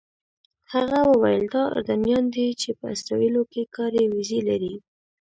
هغه وویل دا اردنیان دي چې په اسرائیلو کې کاري ویزې لري.